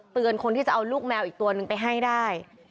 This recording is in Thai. คนที่จะเอาลูกแมวอีกตัวนึงไปให้ได้